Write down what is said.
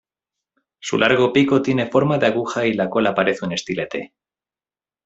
Su largo pico tiene forma de aguja y la cola parece un estilete.